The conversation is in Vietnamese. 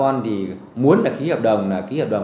ảnh hưởng đến đời sạt lở